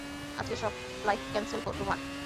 আজকের সব flight cancel তোমার।